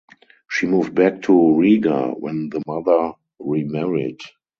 She moved back to Riga when the mother remarried.